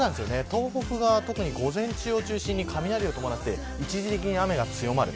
東北は午前中を中心に雷を伴って一時的に雨が強まる。